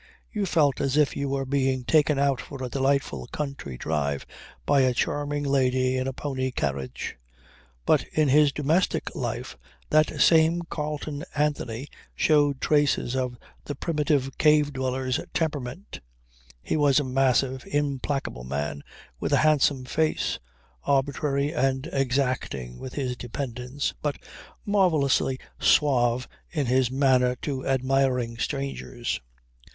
You felt as if you were being taken out for a delightful country drive by a charming lady in a pony carriage. But in his domestic life that same Carleon Anthony showed traces of the primitive cave dweller's temperament. He was a massive, implacable man with a handsome face, arbitrary and exacting with his dependants, but marvellously suave in his manner to admiring strangers.